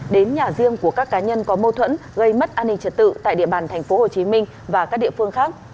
đến nhà riêng của các cá nhân có mâu thuẫn gây mất an ninh trật tự tại địa bàn tp hcm và các địa phương khác